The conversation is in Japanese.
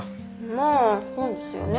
まあそうですよね。